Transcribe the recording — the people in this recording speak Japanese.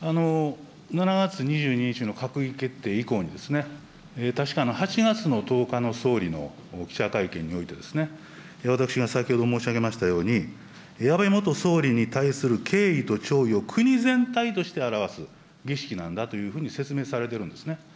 ７月２２日の閣議決定以降に、確か、８月の１０日の総理の記者会見において、私が先ほど申し上げましたように、安倍元総理に対する敬意と弔意を国全体として表す儀式なんだというふうに説明されてるんですね。